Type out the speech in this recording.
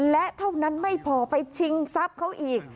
และเท่านั้นไม่พอไปชิงทรัพย์เขาอีก